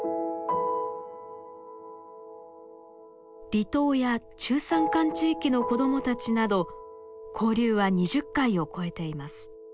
離島や中山間地域の子供たちなど交流は２０回を超えています。